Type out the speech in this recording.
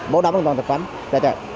bảo đảm an toàn thực phẩm